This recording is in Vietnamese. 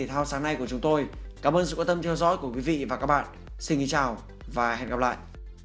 hẹn gặp lại